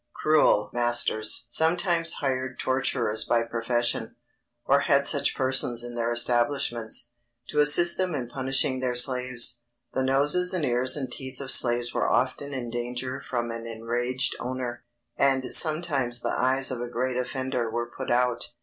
_Cruel masters sometimes hired torturers by profession, or had such persons in their establishments, to assist them in punishing their slaves. The noses and ears and teeth of slaves were often in danger from an enraged owner; and sometimes the eyes of a great offender were put out.